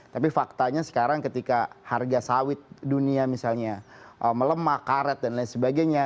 tapi faktanya sekarang ketika harga sawit dunia misalnya melemah karet dan lain sebagainya